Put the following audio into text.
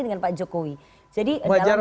dengan pak jokowi jadi dalam